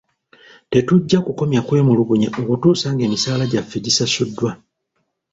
Tetujja kukomya kwemulugunya okutuusa ng'emisaala gyaffe gisasuddwa.